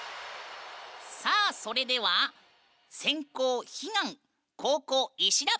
さあそれでは先攻彼岸後攻石田。